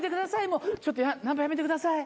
もうちょっとナンパやめてください。